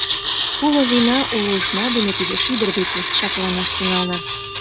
Уло вийна, уло ушна дене тиде шӱдыр деке чакланаш тӱҥалына.